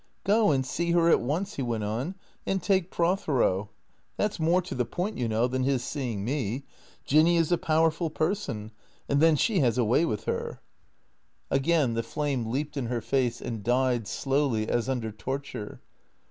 " Go and see her at once," he went on, " and take Pro thero. That 's more to the point, you know, than his seeing me. Jinny is a powerful person, and then she has a way witli her." 180 THECEEATOKS Again the flame leaped in her face and died, slowly, as under torture.